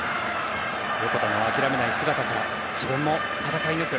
横田の諦めない姿から自分も戦い抜く